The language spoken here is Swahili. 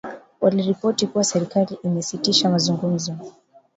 Waliripoti kuwa serikali imesitisha mazungumzo